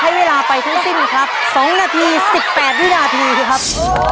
ใช้เวลาไปทั้งสิ้นครับ๒นาที๑๘วินาทีสิครับ